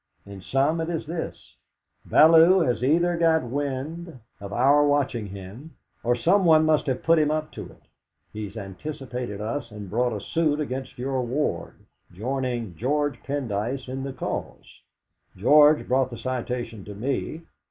In sum it is this: Bellow has either got wind of our watching him, or someone must have put him up to it; he has anticipated us and brought a suit against your ward, joining George Pendyce in the cause. George brought the citation to me.